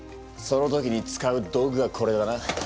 その時に使う道具がこれだな。